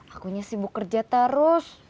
akunya sibuk kerja terus